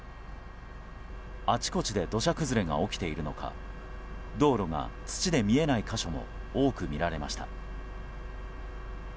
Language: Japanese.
あちこちで土砂崩れが起きているのか道路が土で見えない箇所も多く見られました。